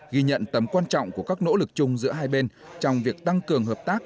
ghi nhận tấm quan trọng của các nỗ lực chung giữa hai bên trong việc tăng cường hợp tác